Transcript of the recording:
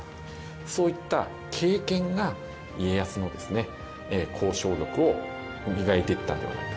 そういった経験が家康の交渉力を磨いていったんではないかというふうに思います。